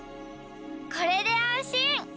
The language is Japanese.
これであんしん。